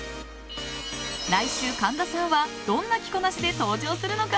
来週、神田さんはどんな着こなしで登場するのか？